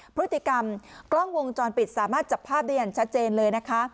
พฤติกรรมกล้องวงจรปิดสามารถจับภาพได้อย่างชัดเจนเลยนะคะ